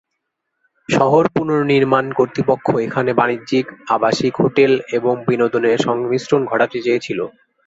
শহর পুনঃনির্মাণ কর্তৃপক্ষ এখানে বাণিজ্যিক, আবাসিক, হোটেল এবং বিনোদন এর সংমিশ্রণ ঘটাতে চেয়েছিল।